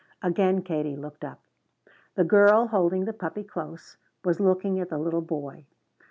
Again Katie looked up. The girl, holding the puppy close, was looking at the little boy.